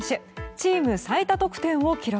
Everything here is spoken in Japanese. チーム最多得点を記録。